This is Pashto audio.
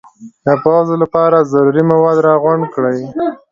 د پوځ لپاره ضروري مواد را غونډ کړي.